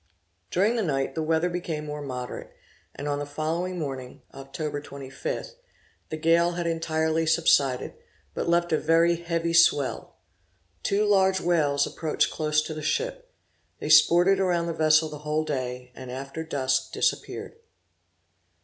During the night the weather became more moderate, and on the following morning, (Oct. 25), the gale had entirely subsided, but left a very heavy swell. Two large whales approached close to the ship. They sported around the vessel the whole of the day, and after dusk disappeared.